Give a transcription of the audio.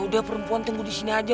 udah perempuan tunggu di sini aja